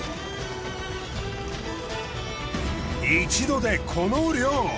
一度でこの量。